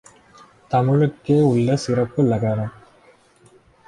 தமிழுக்கே உள்ள சிறப்பு ழ கரம்.